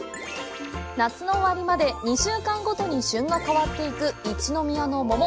夏の終わりまで２週間ごとに旬が変わっていく一宮の桃。